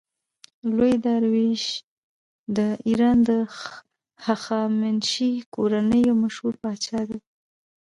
لوی داریوش د ایران د هخامنشي کورنۍ یو مشهور پادشاه دﺉ.